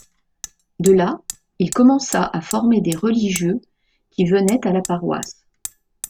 De là, il commença à former des religieux qui venaient à la paroisse.